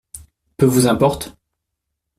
Peu vous importe!